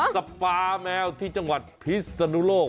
สปาแมวที่จังหวัดพิศนุโลก